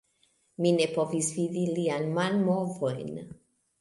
Mi ne povis vidi lian manmovojn